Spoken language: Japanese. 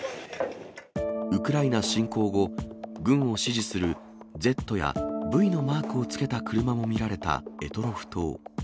ウクライナ侵攻後、軍を支持するＺやＶのマークをつけた車も見られた択捉島。